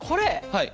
はい。